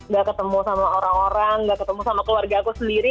gak ketemu sama orang orang gak ketemu sama keluarga aku sendiri